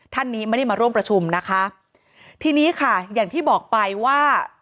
ท่านนี้ไม่ได้มาร่วมประชุมนะคะทีนี้ค่ะอย่างที่บอกไปว่า